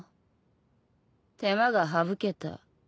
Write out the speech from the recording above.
手間が省けた。